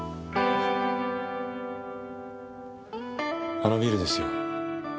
あのビルですよ。